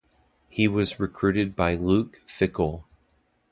He was recruited by Luke Fickell.